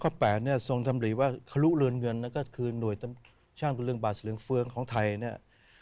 ข้อ๘ทรงรับบริว่าคลุเรือนเงินหน่วยตำช่างบริเวณบาทเสริมเฟืองของไทย